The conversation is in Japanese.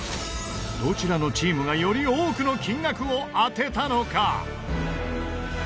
どちらのチームがより多くの金額を当てたのか？